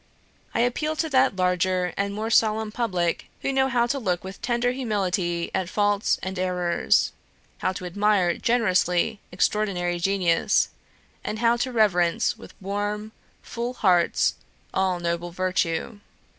I appeal to that larger and more solemn public, who know how to look with tender humility at faults and errors; how to admire generously extraordinary genius, and how to reverence with warm, full hearts all noble virtue.